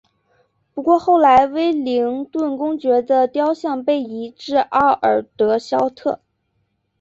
不过后来威灵顿公爵的雕像被移至奥尔德肖特。